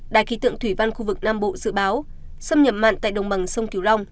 đài khí tượng thủy văn khu vực nam bộ dự báo xâm nhập mặn tại đồng bằng sông kiều long